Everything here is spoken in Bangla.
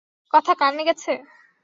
কথা কানে গেছে?